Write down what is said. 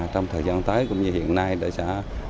trong thời gian tới cũng như hiện nay đã sẽ